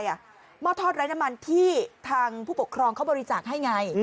หม้อทอดไร้น้ำมันที่ทางผู้ปกครองเขาบริจาคให้ไง